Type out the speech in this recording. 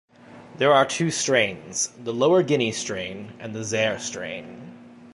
There are two strains: the Lower Guinea strain and the Zaire strain.